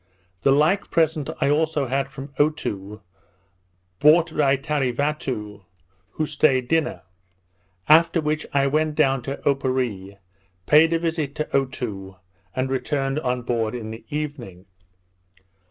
The like present I also had from Otoo, brought by Tarevatoo, who stayed dinner; after which I went down to Opparree, paid a visit to Otoo, and returned on board in the evening.